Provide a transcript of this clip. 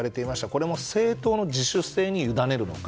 これも政党の自主性に委ねるのか。